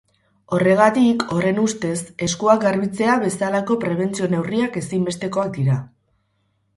Horregatik, horren ustez, eskuak garbitzea bezalako prebentzio-neurriak ezinbestekoak dira.